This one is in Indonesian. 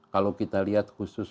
kalau kita lihat khusus